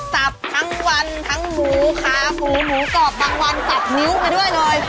สับทั้งวันทั้งหมูขาหมูหมูกรอบบางวันสับนิ้วไปด้วยเลย